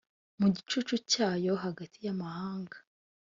mu gicucu cyayo hagati y amahanga